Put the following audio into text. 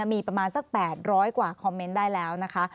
มีประมาณสัก๘๐๐กว่าคอมเมนต์ได้แล้วนะคะ